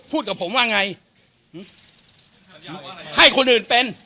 กับผมว่าไงให้คนอื่นเป็น